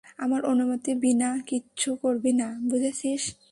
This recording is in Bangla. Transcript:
আমার অনুমতি বিনা কিচ্ছু করবি না, বুঝেছিস?